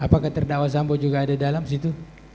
apakah terdakwa sambo juga ada dalam situ